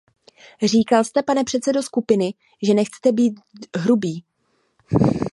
Říkal jste, pane předsedo skupiny, že nechcete být hrubý.